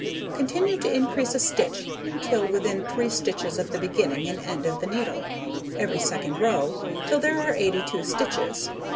Continue to increase a stitch till within 3 stitches of the beginning and end of the needle, every second row, till there are 82 stitches.